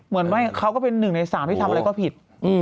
เหมือนไม่เขาก็เป็น๑ใน๓ที่ทำอะไรก็ผิด